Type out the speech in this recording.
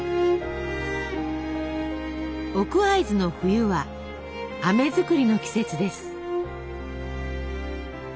奥会津の冬はあめ作りの季節です。